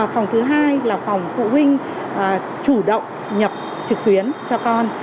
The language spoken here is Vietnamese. phòng thứ hai là phòng phụ huynh chủ động nhập trực tuyến cho con